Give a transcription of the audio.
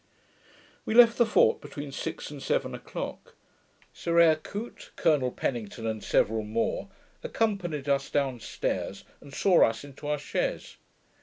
We left the fort between six and seven o'clock: Sir Eyre Coote, Colonel Pennington, and several more, accompanied us down stairs, and saw us into our chaise.